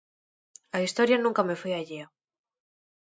A historia nunca me foi allea.